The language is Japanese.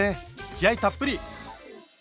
気合いたっぷり！